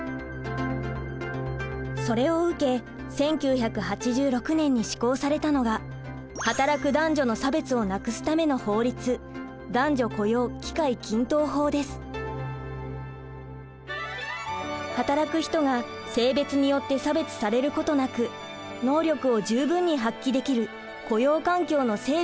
それを受け１９８６年に施行されたのが働く男女の差別をなくすための法律働く人が性別によって差別されることなく能力を十分に発揮できる雇用環境の整備が進められました。